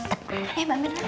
eh mbak mirna